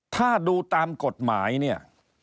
ถ้าดูตามกฎหมาย